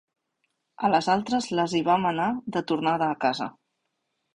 A les altres les hi va manar de tornada a casa.